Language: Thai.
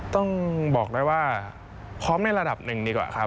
ต้องบอกได้ว่าพร้อมในระดับหนึ่งดีกว่าครับ